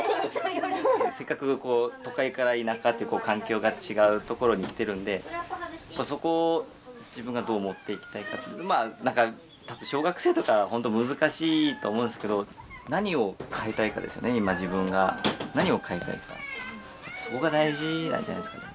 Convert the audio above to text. せっかくこう都会から田舎って環境が違う所に来てるんでそこを自分がどうもっていきたいかまあ何かたぶん小学生とかはホント難しいと思うんですけど何を変えたいかそこが大事なんじゃないっすかね